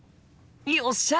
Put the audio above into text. よっしゃ！